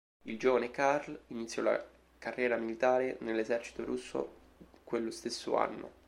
Il giovane Karl iniziò la carriera militare nell'esercito russo quello stesso anno.